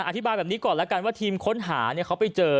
อธิบายแบบนี้ก่อนแล้วกันว่าทีมค้นหาเขาไปเจอ